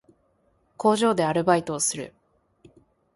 工場でアルバイトをする